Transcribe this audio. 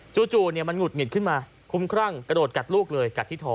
จู่มันหุดหงิดขึ้นมาคุ้มครั่งกระโดดกัดลูกเลยกัดที่ทอ